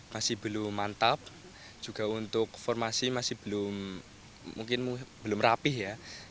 masih belum mantap juga untuk formasi masih belum mungkin belum rapih ya